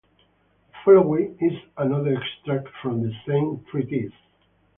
The following is another extract from the same treatise.